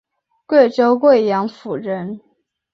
贵州贵阳府人。